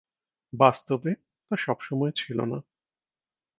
বাস্তবে, তা সবসময় ছিল না।